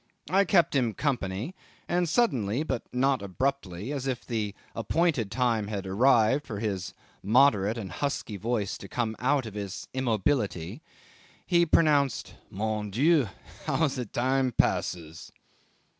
I kept him company; and suddenly, but not abruptly, as if the appointed time had arrived for his moderate and husky voice to come out of his immobility, he pronounced, "Mon Dieu! how the time passes!"